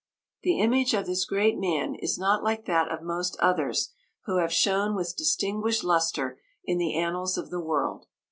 "The image of this great man is not like that of most others who have shone with distinguished lustre in the annals of the world.